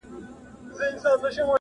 • پیسه داره بس واجب د احترام دي,